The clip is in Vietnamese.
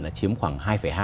là chiếm khoảng hai hai hai ba